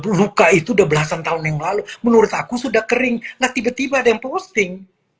buka itu udah belasan tahun yang lalu menurut aku sudah kering tiba tiba dan posting